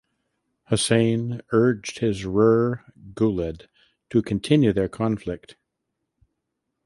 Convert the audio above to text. Hussein urged his Rer Guled to continue their conflict.